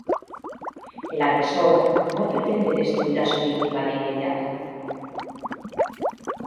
El agresor no pretende destruir a su víctima de inmediato.